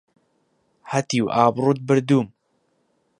هەتیو ئابڕووت بردووم!